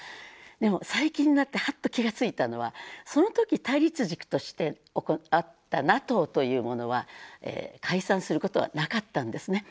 でも最近になってハッと気が付いたのはその時対立軸としてあったＮＡＴＯというものは解散することはなかったんですね。